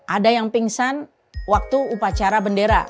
ada yang pingsan waktu upacara bendera